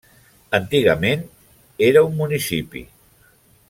Antigament, era un municipi.